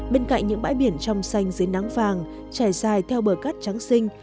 bên cạnh những bãi biển trong xanh dưới nắng vàng trải dài theo bờ cát trắng sinh